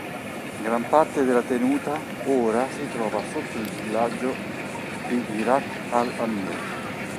Gran parte della tenuta ora si trova sotto il villaggio di Iraq al-Amir.